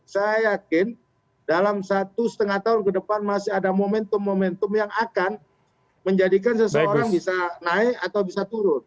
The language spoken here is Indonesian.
saya yakin dalam satu setengah tahun ke depan masih ada momentum momentum yang akan menjadikan seseorang bisa naik atau bisa turun